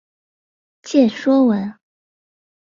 见说文。